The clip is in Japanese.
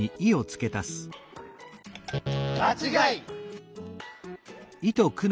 まちがい！